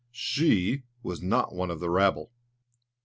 She was not one of the rabble!